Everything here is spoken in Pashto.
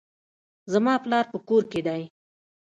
زما پلار په کور کښي دئ.